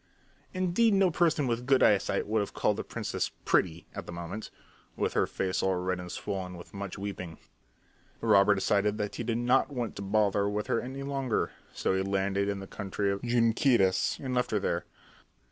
Indeed no person with good eyesight would have called the princess pretty at that moment, with her face all red and swollen with much weeping. The robber decided that he did not want to bother with her any longer, so he landed in the country of the Junqueiras and left her there.